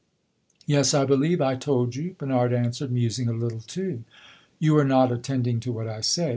"Yes, I believe I told you," Bernard answered, musing a little too. "You are not attending to what I say."